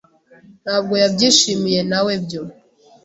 ntabwo yabyishimiye, nawebyo.